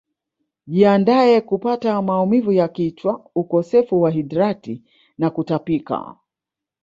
Jiandae kupata maumivu ya kichwa ukosefu wa hidrati na kutapika